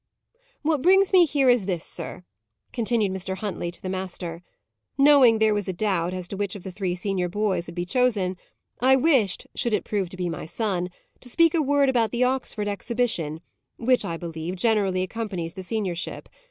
"What brings me here, is this, sir," continued Mr. Huntley to the master. "Knowing there was a doubt, as to which of the three senior boys would be chosen, I wished, should it prove to be my son, to speak a word about the Oxford exhibition, which, I believe, generally accompanies the seniorship.